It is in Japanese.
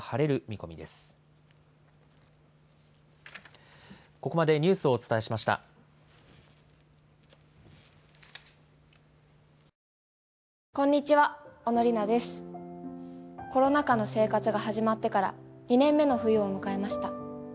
コロナ禍の生活が始まってから２年目の冬を迎えました。